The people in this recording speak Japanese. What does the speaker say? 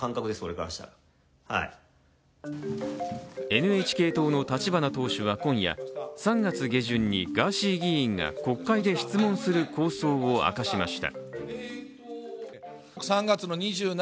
ＮＨＫ党の立花党首は今夜、３月下旬にガーシー議員が国会で質問する構想を明かしました。